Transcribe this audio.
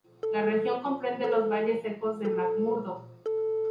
La región comprende los valles secos de McMurdo.